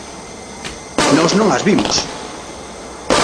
Nós non as vimos.